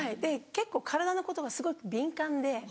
結構体のことがすごく敏感で。